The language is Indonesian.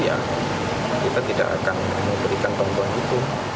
ya kita tidak akan memberikan bantuan hukum